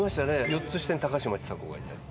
４つ下に高嶋ちさ子がいたり。